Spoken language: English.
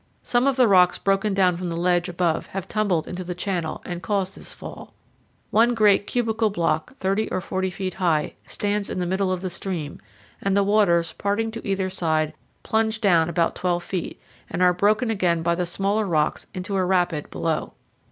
Some of the rocks broken down from the ledge above have tumbled into the channel and caused this fall. One great cubical block, thirty or forty feet high, stands in the middle of the stream, and the waters, parting to either side, plunge down about twelve feet, and are broken again by the smaller rocks into a rapid below.